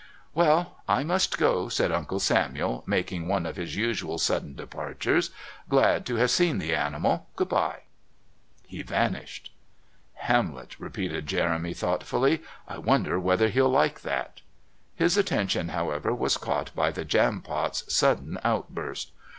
"Well, I must go," said Uncle Samuel, making one of his usual sudden departures. "Glad to have seen the animal. Good bye." He vanished. "Hamlet," repeated Jeremy thoughtfully. "I wonder whether he'll like that " His attention, however, was caught by the Jampot's sudden outburst.